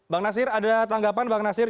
bang nasir ada tanggapan bang nasir